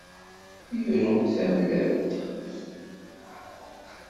Yurew-d tamellalt.